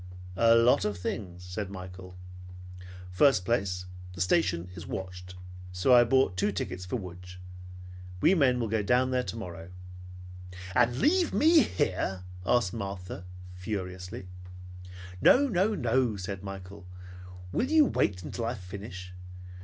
"A lot of things," said Michael. "First place, the station is watched, so I bought two tickets for Lodz. We men will go down there tomorrow." "And leave me here!" asked Martha furiously. "No, no, no!" said Michael. "Will you wait until I finish?